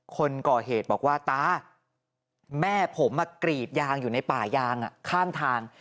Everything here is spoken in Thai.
คนก่อเหตุบอกว่าตาแม่ผมมากรีดยางอยู่ในป่ายางข้างทาง